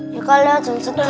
iya kal jangan sedih